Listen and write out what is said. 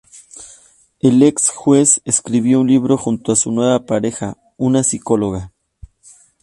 El exjuez escribió un libro junto a su nueva pareja, una psicóloga.